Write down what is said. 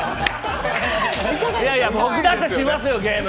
いやいや僕だってしますよ、ゲーム！